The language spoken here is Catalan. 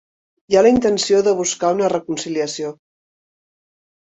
Hi ha la intenció de buscar una reconciliació